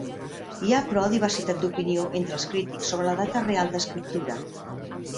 Hi ha, però, diversitat d'opinió entre els crítics sobre la data real d'escriptura.